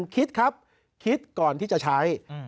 คิดครับคิดก่อนที่จะใช้